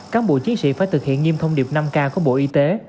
cán bộ chiến sĩ phải thực hiện nghiêm thông điệp năm k của bộ y tế